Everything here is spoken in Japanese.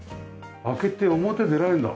開けて表出られるんだ。